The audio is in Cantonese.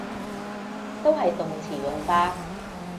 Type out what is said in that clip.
都係動詞用法